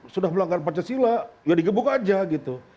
sudah melanggar pancasila ya digebuk aja gitu